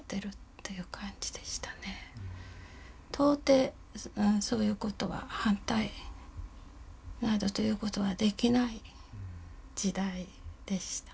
到底そういうことは反対などということはできない時代でした。